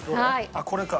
あっこれか。